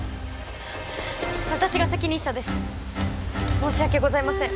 私が責任者です申し訳ございません・